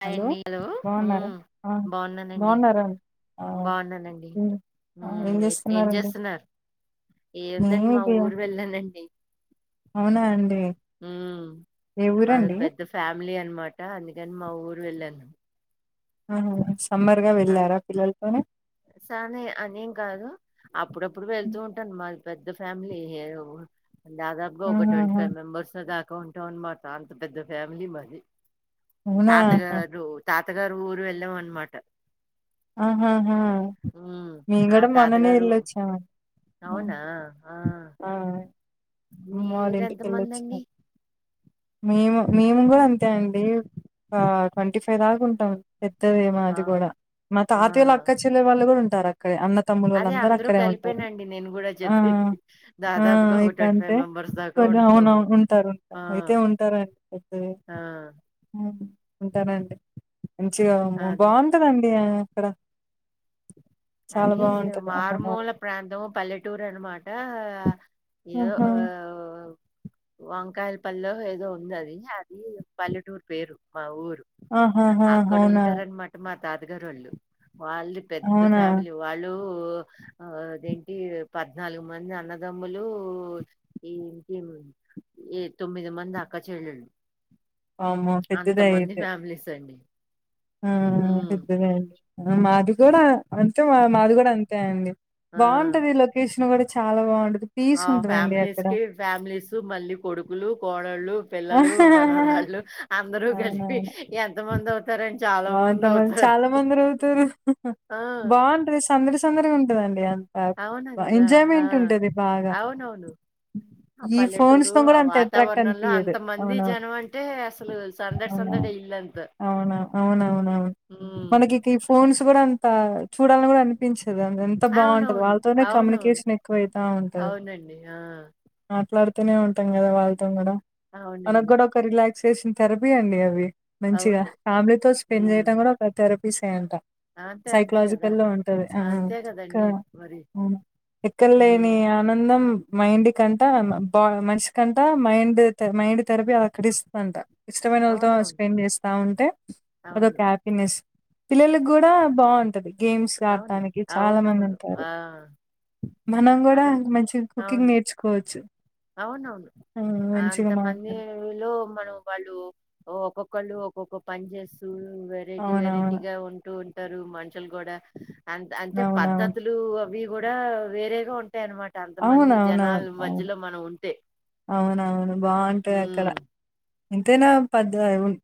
Hi యండి hello ఉ బాగున్నారా ఆ బాగున్నానండి బాగున్నారా ఆ బాగున్నానండి ఏం ఉ ఆ ఎ ఏం చేస్తున్నారండి చేస్తున్నారు ఎందండి మేము మా ఇ ఊరు వెళ్ళానండి అవునా అండి ఉ ఏ మాది ఊరండి పెద్ద ఫ్యామిలీ అన్ మాట అందుకని మా ఊరు వెళ్ళాను ఆ సమ్మర్ గా వెళ్ళారా పిల్లలతోని సానే అనేం కాదు అప్పుడప్పుడు వెళ్తూ ఉంటాను మాది పెద్ద ఫ్యామిలీ ఎవో దాదాపుగా ఒక ట్వంటీ ఆహాహా ఫైవ్ మెంబర్స్ దాకా ఉంటాం అన్నమాట అంత పెద్ద ఫ్యామిలీ మాది అవునా తాతగారు తాతగారు ఊరు వెళ్ళాం అనమాట ఆహాహా ఉమ్ మేము ఆ గూడా మొన్ననే తాతగారు వెళ్ళొచ్చాము అవునా ఆ అమ్మ వాళ్ళ మీరు ఇంటికి వెళ్ళొచ్చాం ఎంతమందండి మేము మేము కూడా అంతే అండి ట్వంటీ ఆ ఫైవ్ దాక్ ఉంటాం పెద్దదేమో ఆ అది కూడా మా ఆ తాతయోల్ల అక్క చెల్లే వాళ్ళు కూడా ఉంటారు అక్ అక్కడే అన్న తమ్ములు అదే వాళ్ళు అందరూ అక్కడే ఉంటారు కలిపేనండి నేను కూడా ఆ చెప్పింది ఆ దాదాపుగా ఒక ఇగ ట్వంటీ ఫైవ్ అంటే మెంబర్స్ దాకా అవును అవును ఉంటాము ఉంటారు ఆ ఉంట అయితే ఉంటార అండి ఆ ఉమ్ ఉంటారండి మంచిగా అదే బాగుంటందండి అక్కడ చాలా అది బావుంటది అమ్మమ్మ వాళ్ళ మారుమూల ప్రాంతము పల్లెటూరు అన్నమాట ఏ ఆహా! ఓ వంకాయల పల్లె ఏదో ఉందది అది పల్లెటూరు పేరు మా ఊరు ఆహాహా అవునా తాతగారు వాళ్ళు వాళ్ళు పెద్ద అవునా? ఫ్యామిలీ వాళ్ళు ఓ ఆ అదేంటి పద్నాలుగు మంది అన్నదమ్ములు ఈంటి ఏ తొమ్మిది మంది అక్క చెల్లెళ్ల వామ్మో! అంతమంది ఫ్యామిలీస్ అండి ఉమ్ పెద్దదే అండి మాది కూడా అంతే మా మాది కూడా అంతే అండి ఆ బాగుంటది లొకేషన్ కూడా చాలా బాగుంటది ఆ ఫ్యామిలీస్ కి ఫ్యామిలీస్ కి మళ్ళీ కొడుకులు కోడళ్ళు పిల్లలు మనవరాళ్ళు అందరూ కలిపి అవునవును. ఎంత మంది అవుతారుని చాలా మంది బావుంటాం. అవుతారు చాలా మందిరు అవుతారు ఆ బాగుంటంది సందడి సందడిగా ఉంటదండి అ అవును గదా ఆ బాగా. అవునవును ఆ ఈ ఫోన్స్ పల్లెటూరు ను ఆ కూడా అంత అట్రాక్ట్ అంత వాతావరణంలో ఇయదు అంతమంది అవునా జనం అంటే అసలు సందడి అవునను సందడి ఇల్లంతా అవునా అవునవునవును హ్మ్ మనకిక ఈ ఫోన్స్ కూడా అంత చూడాలని కూడా అనిపించ ఎంత బాగుంటది అవునవును వాళ్ళతోనే అవునవును కమ్యూనికేషన్ ఎక్కువైతా ఉంటది అవునండి ఆ నాట్లాడు తోనే ఉంటాం కదా వాళ్ళతో కూడా మనకు అవునండి కూడా ఒక రిలాక్సేషన్ థెరపీ అండి అవి మంచిగా అవును ఫ్యామిలీతో స్పెండ్ హ్మ్ చేయడం కూడా ఒక థెరపీస్ ఎ అంట అంతే అంతే కదా సైకలాజికల్ లో ఉంటది ఆ అంతే క కదండి మరి ఉమ్ ఎక్కడ హ్మ్ లేని ఆనందం మైండ్ కంటా బా మనిషి కంటా మైండ్ మైండ్ థెరపీ అక్కడ ఇస్తుందంట ఇష్టమైన వాళ్లతో అవునవును స్పెండ్ చేస్తా ఉంటే అది అవును ఒక్క హ్యాపీనెస్ పిల్లలకి కూడా బాగుంటది గేమ్స్ అవును ఆడటానికి చాలా మంది అవునవును ఉంటారు ఆ మనం కూడా అక్కడికి మంచి కుకింగ్ అవును నేర్చుకోవచ్చు అవునవును ఆ! మంచిగా అంత మాట్లాడు మందిలో మనం వాళ్ళు ఒక్కొక్కళ్ళు ఒక్కొక్క పని చేస్తూ వెరైటీ అవునవును. వెరైటీగా ఉంటూ టారు మనుషులు కూడా అ అంటే అవునవును. పద్ధతులు అవి కూడా వేరేగా ఉంట టే అన్నమాట అంత మంది అవునవునవును. జనాల అవును. మధ్యలో మనం ఉంటే అవునవును బాగుంటాయి అక్కడ ఉమ్ ఇంతేనా పద్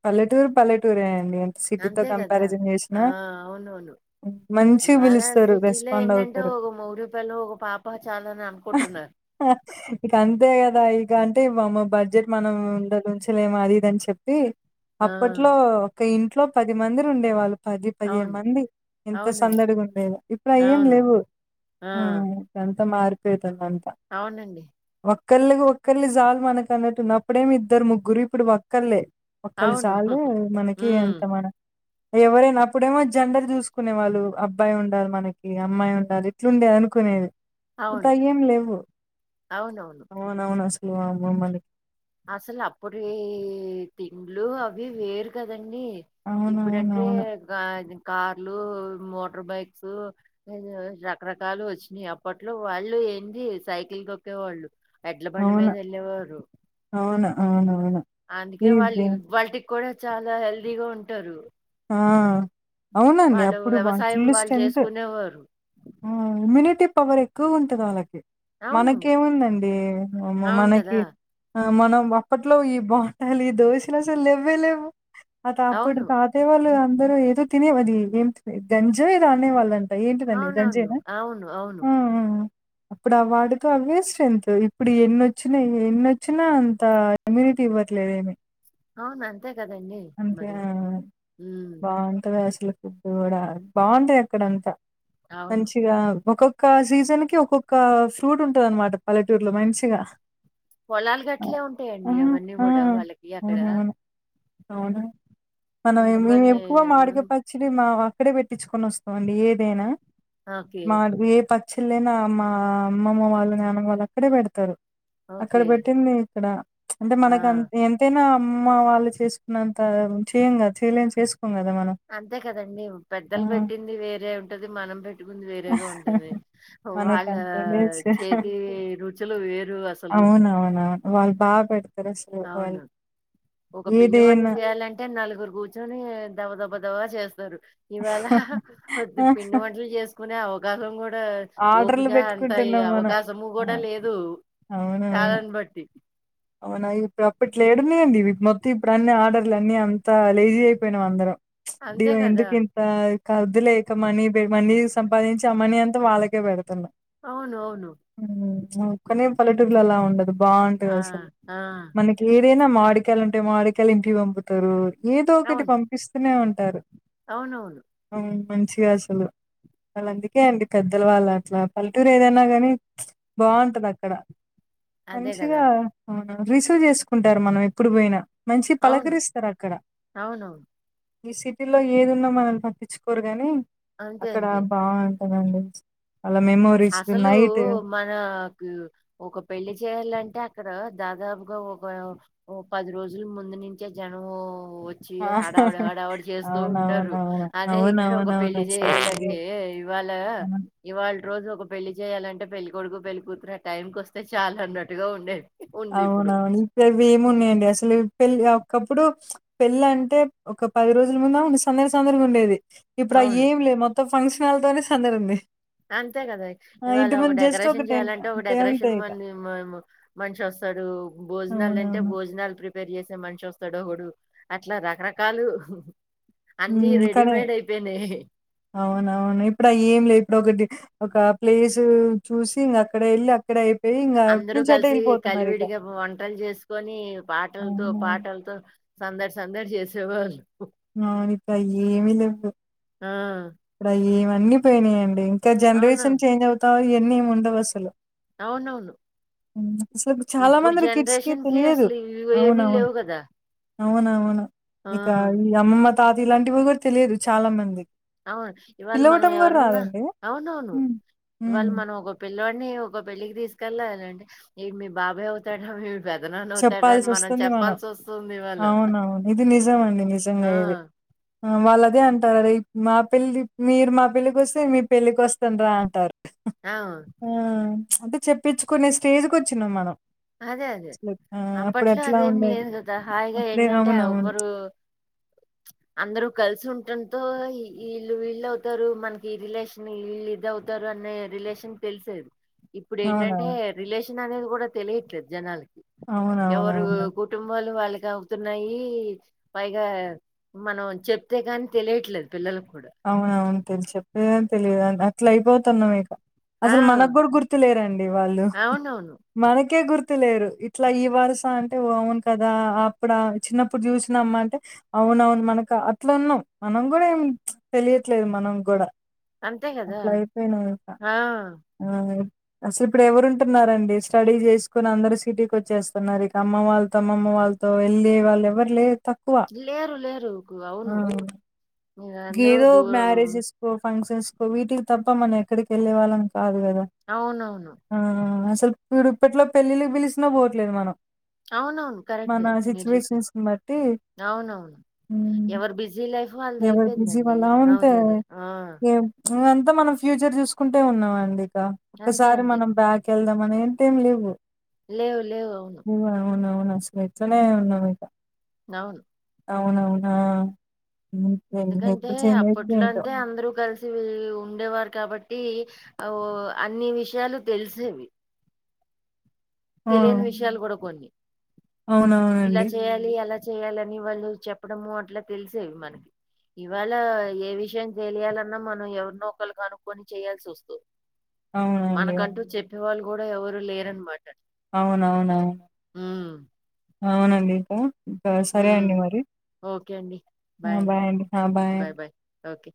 పల్లెటూరు పల్లెటూరే నువ్వు ఎంత సిటీతో అంతే కదా కంపారిజన్ ఆ చేసినా అవునవును హ్మ్. మంచిగా ఇవాళ పిలుస్తారు. సిటీలో రెస్పాండ్ ఏంటంటే అవుతారు. ఒక మొగుడు పెళ్ళాం ఒక పాప చాలు అని అనుకుంటున్నారు ఆ కా అదే కదా ఇక అంటే బడ్జెట్ మనం ఉండ ఉంచలేం అది ఇది అని చెప్పి ఆ అప్పట్లో ఒక ఇంట్లో పది మందిరు ఉండేవాళ్ళు పది పదిహేను అవును మంది ఎంత అవునండి సందడిగు ఉండేదో ఇప్పుడు అయి ఏం అవును లేవు ఆ ఉమ్ ఎంత మార్పు అయితుందో అంత అవునండి ఒక ఒక్కలకి ఒక్కరిలే జాలు మనకు అన్నట్టుంది అప్పుడేమి ఇద్దరు ముగ్గురు ఇప్పుడు ఒక్కర్లే ఒక్కళు అవును చాలు మనకి ఉమ్ ఎంత మన ఎవరైనా అప్పుడేమో జెండర్ చూసుకునే వాళ్ళు అబ్బాయి ఉండాలి మనకి అమ్మాయి ఉండాలి ఇట్లుండే అనుకునేది. ఇప్పుడు అవును అయ్యేం అవునవును. అవునసలు ఆ అమ్మమ్మలు. అసలు అప్పుడివి తిండ్లు, అవి వేరు కదం అండి ఇప్పుడంటే అవునవునవును గాది కార్లు, మోటార్ బైక్స్ రకరకాలు వచ్చినయి. అప్పట్లో వాళ్ళు ఏంది సైకిల్ కొక్కేవాళ్ళు, ఎడ్ల బండి మీద ఎళ్ళేవారు. అవును అవును అందుకే వాళ్ళు ఇది వాళ్టికి కూడా చాలా హెల్దీగా ఉంటారు ఆ అవునండి వాళ్ళు అప్పుడు బా వ్యవసాయం ఫుల్ వాళ్ళు స్ట్రెంగ్త్, చేసుకునేవారు ఉమ్ ఇమ్యూనిటీ పవర్ ఎక్కువ ఉంటంది వాళ్ళకి, అవును మనకే ఏముందండి మ అవును మనకి కదా మనం అప్పట్లో ఈ బాంటలు ఈ దోశలు అసలు లేవ్వే లేవ్వు, మా తాత తోటి అవును పా ట్లో అందరు ఏది తినే అది, ఏంటిది గంజో ఏదో ఆనేవాళ్ళం. అయి ఏంటిదండి అవునవును గంజేనా? అవును అవును అప్పుడు ఆ వాటితో అవే స్ట్రెంత్, ఇప్పుడు ఎన్నిచ్చినయ్ ఎన్నొచ్చినా అంత ఇమ్యూనిటీ ఇవ్వట్లేదేమి అవునన్ అంతే ఉమ్ బాగుంటం దస ఫుడ్ గుడా బాగుంటది అక్కడంతా, అవును మంచిగా ఒక క సీజన్ కి ఒక్కొక్క ఫ్రూట్ ఉంటుందన్నమాట పల్లెటూరులో మంచిగా. పొలాలు ఆ! గట్టలే ఆ! ఉంటయండి అవన్నీ ఆ! గుడా వాళ్ళకి అక్కడ. అవునవును. అవును మనం ఏమి ఇంతమంది ఎక్కువ మాడిక పచ్చిడి మా అక్కడే పెట్టించుకొని వస్తం అండి ఏదైనా ఓకే. మాడు ఏ చెలైన మా అమ్మమ్మ వాళ్ళు, నానమ్మ వాళ్ళు అక్కడే పెడతారు. అక్కడ ఓకే. పెట్టింది ఇక్కడ ప్చ్ అంటే ఆ! మనకం ఎంతైనా అమ్మ వాళ్ళు చేసు నంత చెయ్యం కదా చేయలేని చేసుకొం కదా మనం అంతే కదండి ఆ పెద్దలు పెట్టింది వేరే ఉంటది, మనం పెట్టుకుంది వేరేగా ఉంటది. మే కని టెన్ మినిట్స్ చేసిన రుచులు వేరు అసలు. అవునవునవును వాళ్ళు బాగా పెడ తారసలు వాళ్ళు ఏది ఎన్ని వంట చేయాలంటే నలుగురు కూర్చొని దబ దబ దబ చేస్తారు. ఇవాళ కొద్దిగ పిండి వంటలు చేసుకునే అవకాశం గుడ గా ఆర్డర్లు ఓపిక అంతా ఇగ పెట్టుకుంటున్నాం మనం అవకాశము ఆ! గుడ లేదు. అవునవును కాలన్నీ బట్టి అవునా ఇప్పుడు అప్పట్ లేడున్నాయండి ఇవి మొత్తం ఇప్పుడు అన్ని ఆర్డర్లు అన్ని అంతా లేజీ అయిపోయినాం అందరం. ప్చ్ దీ అంతే కదా! ఎందుకు ఇంత కర్దులే ఇక మనీ దే మనీ సంపాదించి అమ్మనీ అంతా వాళ్ళకే పెడుతున్నాం. అవును. అవును. ఉమ్ ప్చ్ అదొక్కనే పల్లెటూరులల్లా ఉండదు ఆ! బాగుంటదసలు. ఆ దేనా మాడికాయలు ఉంటె, మాడికాయలు ఇంటికి పంపుతరు. ఏదో ఒకటి అవును. పంపిస్తూనే ఉంటారు, అవునవును. అ మంచిగా అసలు వాళ్ళ అందుకే అండి పెద్దలు వాళ్ళ అట్లా పల్లెటూరు ఏదన్నా గని ప్చ్ బాగుంటది అక్కడ అదే గదా! మంచిగా రిసీవ్ చేసుకుంటారు మనం ఎప్పుడు పోయినా. మంచిగ అవును. పలకరిస్తారు అక్కడ. అవునవును. ఈ సిటీలో ఏది ఉన్నా మనల్ని పట్టించుకోరు గని, అంతే. అక్కడ అంతే. బా సరే అండి. అసలు మనకి ఒక పెళ్లి చేయాలంటే అక్కడ దాదాపుగా ఒక పది రోజుల ముందు నుంచే జనంము వచ్చి ఆ హడావడి హడావడి చేస్తూ ఉంటారు అవునవునవును. అదే ఇక్కడ ఒక అవునవునవును పెళ్లి అసలు అది చేయాలంటే ఇవాళ అవును. ఇవాళ రోజు ఒక పెళ్లి చేయాలంటే పెళ్లి కొడుకు పెళ్లి కూతురు ఆ టైంకి వస్తే చాలు అన్నట్టుగా ఉండేది ఉందిప్పుడు. అవునవును ఇప్పుడు అవి ఏమున్నాయండి అసలు పెళ్ళి ఒకప్పుడు పెళ్ళి అంటే ఒక పది రోజుల ముంద సందడి సందడిగా ఉండేది ఇప్పుడు అవి అవును. ఏం లేదు మొత్తం ఫంక్షన్ హాల్తోనే సందడింది అంతే కదా ఇవాళ ఒక జస్ట్ డెకరేషన్ టెంట్ చెయాలంటే ఒక అంతే అంతే డెకరేషన్ ఇక. మ మనిషి వస్తాడు భోజనాలు అంటే అవునవును. భోజనాలు ప్రిప రెడీ చేసే మనిషి వస్తాడు ఒకడు అట్లా రకరకాలు అన్నీ ఉమ్ కానీ రెడీమేడ్ అయిపోయినాయి. అవునువును ఇప్పుడు అయేం లేదు ఇక్కడ ఒకటి ఒక ప్లేస్ చూసి ఇంక అక్కడ వెళ్ళి అక్కడ ఇంగ అటు అందరు నుంచి అటే కలిసి ఎళ్ళిపోతున్నారిక. కలివిడిగా వంటలు చేసుకొని పాటలతో అవునవును. పాటలతో సందడి సందడి చేసేవాళ్ళు అవును ఇప్పుడు అయేమి లేవు ఆ! ఇప్పుడు ఏవన్నీ పోయినాయండి ఇంకా అవును. జనరేషన్ చేంజ్ అవుతా ఇవన్నీ ఏమి ఉండవు అసలు అవునవును అసలు చాలా ఇప్పుడు మంది కిట్స్ కి జనరేషన్‌కి తెలియదు అసలు ఇవి ఏమీ అవునవును లేవు కదా! అవును అవును ఆ! ఇక ఈ అమ్మమ్మ తాతయ్య ఇలాంటివి కూడా తెలియదు చాలా మందికి అవును ఇవాళ మనం పిలవటం గూడా ఎవరన్నా రాదండి. అవును అవును హ్మ్. ఇవాళ హ్మ్. మనం ఒక పె పిల్లడిని ఒక పెళ్లికి తీసుకెళ్ళాలింటే ఈయన మీ బాబాయ్ అవుతాడరా చెప్పాల్సి వస్తుంది మనం వస్తుంది ఇవాళ అవునవును ఇది నిజం అండి ఆ నిజంగా ఇది వాళ్ళదే అంటారు మా పెళ్లి మీరు మా పెళ్ళికి వస్తే మీ పెళ్ళికి వస్తంరా అంటారు అవు ఆ అంటే చెప్పించుకునే స్టేజ్కి వచ్చినాం మనం అదే అదే అసలు ఆ! అప్పట్లో అప్పుడెట్లా అదేం ఉండేది. లేదు కదా హాయిగా అప్పుడే ఏంటంటే అవునవును. ఎవరు అందరు కల్సుం తో వీళ్ళు వీళ్ళు అవుతారు మనకి రిలేషన్ వళ్ళు ఇది అవుతారు అనే రిలేషన్ తెలిసేది ఇప్పుడు ఏంటంటే అవునవును. రిలేషన్ అనేది కూడా తెలియట్లేదు జనాలకి ఎవరు అవునవునవును. కుటుంబాలు వాళ్ళకి అవుతున్నాయి పైగా మనం చెప్తే కాని తెలియట్లేదు పిల్లలకి అవును అవును [inaudible] చెప్తేగాని తెలియదుండి అట్లా అయిపోతునం ఇగ ఆ! అసలు మనకు కూడా గుర్తు లేరండి వాళ్ళు అవునవును. మనకే గుర్తు లేరు ఇట్లా ఈ వరుస అంటే అవును కదా అప్పుడ చిన్నప్పుడు చూసినమ్మ అంటే అవును అవును అవును మనకు అట్లాన్నాం మనం కూడా ఏం తెలియట్లేదు మనం కూడా అంతే గదా! అట్లా అయిపోయినము ఇంకా ఆ! అసలు ఇప్పుడు ఎవరు ఉంటున్నారండి స్టడీ చేసుకుని అందరు సిటీకి వచ్చేస్తున్నారు ఇక అమ్మ వాళ్ళు వాళ్ళ అమ్మమ్మ వాళ్ళతో వెళ్ళే వాళ్ళు ఎవరు లేరు తక్కువ లేరు లేరు అవును ఇ మీరందరూ ఏదో దూరం మ్యారేజెస్కో ఫంక్షన్ కో వీటికి తప్ప మనం ఎక్కడికి వెళ్ళే వాళ్ళం కాదు కదా అవునవును. అసలు ఇప్పుడు ఇప్పట్లో పెళ్ళళ్ళకి పిలిసినా పోవట్లేదు మనం అవునవును మన కరెక్టే మీరు చెప్పింది సిచ్యువేషన్స్ బట్టి అవునవును హ్మ్. ఎవరు బిజీ లైఫ్ వాళ్ళది ఎవరు బిజీ అయిపోయిందండి వాళ్ళ ఉంటే అదే అదే ఆ అంతా మనం ఫ్యూచర్ చూసుకుంటే వున్నమండి ఇక అంతే. ఒకసారి అంతే. మనం బ్యాక్ వెళ్దాంమని ఏంటేం లేవు లేవు లేవు అవును శ్నెచనే ఉన్నామింక అవును అవునవునా హ్మ్. ట్రైనింగ్ ఎందుకంటే ఎప్పుడు చేంజ్ అయిద్దో అప్పట్లో ఏంటో. అంటే అందరూ కలిసి ఉండేవారు కాబట్టి ఔ అన్ని విషయాలు తెలిసేవి ఆ! తెలియని విషయాలు గూడా కొన్ని ఇలా అవునవునండి. చెయ్యాలి అలా చెయ్యాలని వాళ్ళు చెప్పడము అట్లా తెలిసేవి మనకి ఇవాళ ఏ విషయం తెలియాలన్నా మనం ఎవరినో ఒకళని కనుక్కొని చేయాల్సి వస్తుంది అవునండి. మనకంటూ అవును. చెప్పేవాళ్ళు గూడా ఎవరు లేర్నమాట అవునవునవు అవునా నీకు ఓకే అండి ఆ! బాయ్ అండి. ఆ! బాయ్. అండి